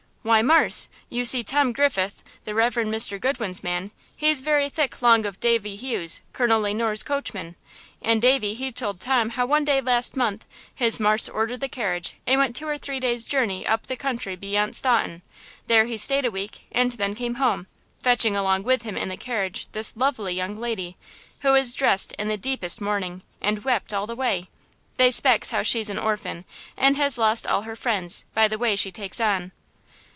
"Why, Marse, you see Tom Griffith, the Rev. Mr. Goodwin's man, he's very thick long of Davy Hughs, Colonel Le Noir's coachman. And Davy he told Tom how one day last month his marse ordered the carriage, and went two or three days' journey up the country beyant Staunton, there he stayed a week and then came home, fetching along with him in the carriage this lovely young lady, who was dressed in the deepest mourning, and wept all the way. They 'spects how she's an orphan, and has lost all her friends, by the way she takes on."